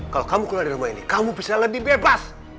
kalau kamu keluar di rumah ini kamu bisa lebih bebas